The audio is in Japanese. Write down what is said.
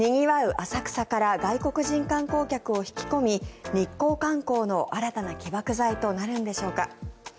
浅草から外国人観光客を引き込み日光観光の新たな起爆剤となるんでしょうか。